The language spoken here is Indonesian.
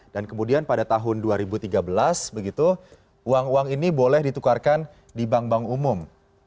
dan kemudian pada tahun dua ribu tiga belas begitu uang uang ini boleh ditukarkan di bank bank umum